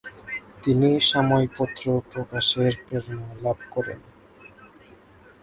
তিনি সাময়িকপত্র প্রকাশের প্রেরণা লাভ করেন।